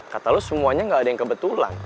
kata lo semuanya gak ada yang kebetulan